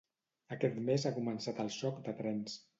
Aquest mes ha començat el xoc de trens.